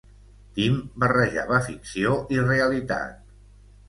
Tim barrejava ficció i realitat.